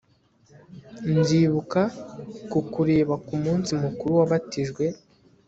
nzibuka kukureba kumunsi mukuru wabatijwe